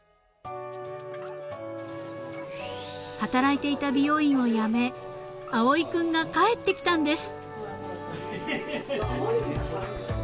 ［働いていた美容院を辞め葵君が帰ってきたんです］